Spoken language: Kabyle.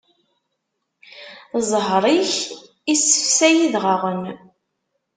Zzheṛ-ik isefsay idɣaɣen.